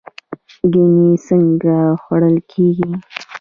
ګنی څنګه خوړل کیږي؟